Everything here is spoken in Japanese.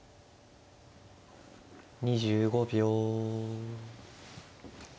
２５秒。